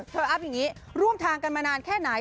อัพอย่างนี้ร่วมทางกันมานานแค่ไหน